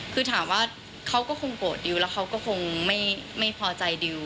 คือถามว่าเขาก็คงโกรธดิวแล้วเขาก็คงไม่พอใจดิว